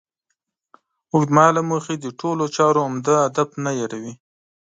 اوږد مهاله موخې د ټولو چارو عمده هدف نه هېروي.